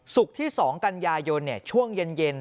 ศุกร์ที่๒กันยายนช่วงเย็น